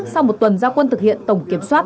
sau một tuần gia quân thực hiện tổng kiểm soát